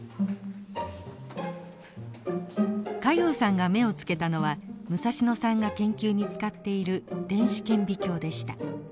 加用さんが目をつけたのは武蔵野さんが研究に使っている電子顕微鏡でした。